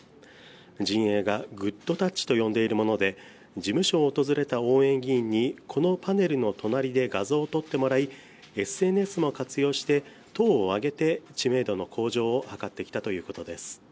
陣営がグッドタッチと呼んでいるもので、訪れた応援議員に、このパネルの隣で画像を撮ってもらい、ＳＮＳも活用して、党を挙げて知名度の向上を図ってきたということです。